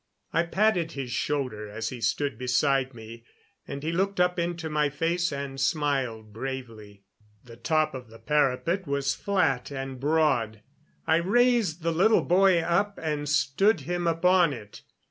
I patted his shoulder as he stood beside me, and he looked up into my face and smiled bravely. The top of the parapet was flat and broad. I raised the little boy up and stood him upon it.